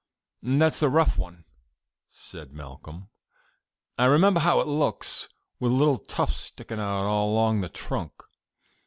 "That's the rough one," said Malcolm; "I remember how it looks, with little tufts sticking out along the trunk."